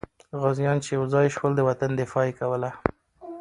غازیان چې یو ځای سول، د وطن دفاع یې کوله.